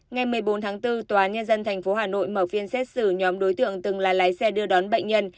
ngày một mươi bốn tháng bốn tòa nhân dân tp hà nội mở phiên xét xử nhóm đối tượng từng là lái xe đưa đón bệnh nhân